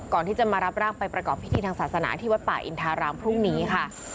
ก่อนที่จะมารับร่างไปประกอบพิธีทางศาสนาที่วัดป่าอินทารามพรุ่งนี้ค่ะ